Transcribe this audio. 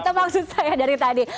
itu maksud saya dari tadi